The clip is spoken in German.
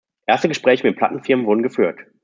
Erste Gespräche mit Plattenfirmen wurden geführt.